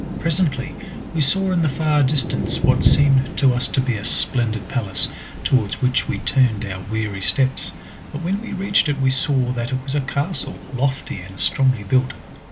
Presently we saw in the far distance what seemed to us to be a splendid palace, towards which we turned our weary steps, but when we reached it we saw that it was a castle, lofty, and strongly built.